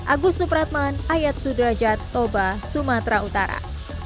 agus supratman ayat sudrajat toba sumatera utara